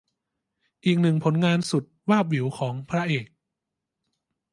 อีกหนึ่งผลงานสุดวาบหวิวของพระเอก